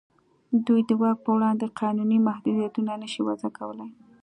دوی د واک په وړاندې قانوني محدودیتونه نه شي وضع کولای.